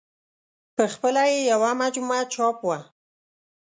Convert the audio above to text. په خپله یې یوه مجموعه چاپ وه.